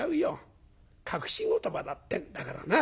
隠し言葉だってんだからな。